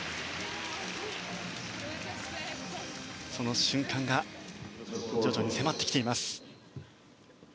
その瞬間が徐々に迫ってきています。